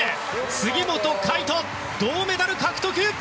杉本海誉斗、銅メダル獲得！